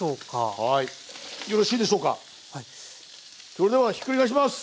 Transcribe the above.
それではひっくり返します！